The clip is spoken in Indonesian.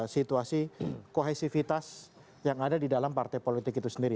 situasi kohesivitas yang ada di dalam partai politik itu sendiri